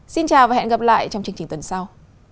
xin chào và hẹn gặp lại trong chương trình tuần sau